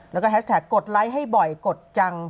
แล้วก็แฮชแท็กกดไลค์ให้บ่อยกดจัง